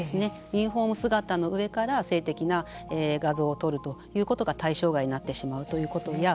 ユニホーム姿の上から性的な画像を撮るということが対象外になってしまうということや。